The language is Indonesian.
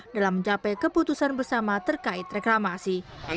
dalam mencapai keputusan bersama terkait reklamasi